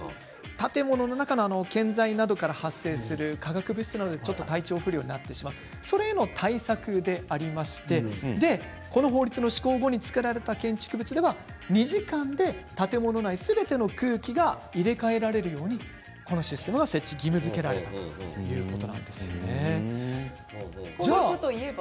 建物の中の建材などから発生する化学物質などで体調不良になってしまうそれへの対策でありましてこの法律の施行後作られた建築では２時間で建物内すべての空気が入れ替わるようにこのシステムが設置義務づけられたというものです。